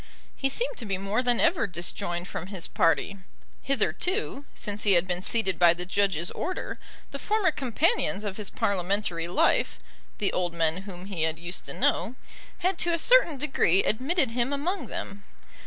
He seemed to be more than ever disjoined from his party. Hitherto, since he had been seated by the Judge's order, the former companions of his Parliamentary life, the old men whom he had used to know, had to a certain degree admitted him among them.